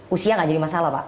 usia nggak jadi masalah pak